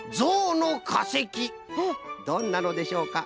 どんなのでしょうか？